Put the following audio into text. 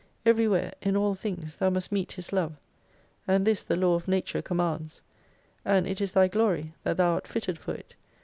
Everywhere in all things thou must meet His love. And this the Law of Nature commands. And it is thy glory that thou art fitted for it.